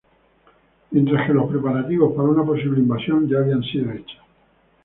Mientras que los preparativos para una posible invasión ya habían sido hechos.